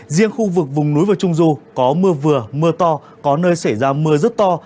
riêng khu vực vùng núi và trung du có mưa vừa mưa to có nơi xảy ra mưa rất to